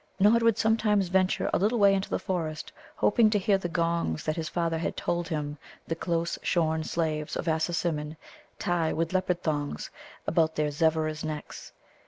Nod would sometimes venture a little way into the forest, hoping to hear the gongs that his father had told him the close shorn slaves of Assasimmon tie with leopard thongs about their Zevveras' necks.